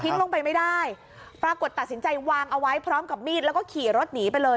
ลงไปไม่ได้ปรากฏตัดสินใจวางเอาไว้พร้อมกับมีดแล้วก็ขี่รถหนีไปเลย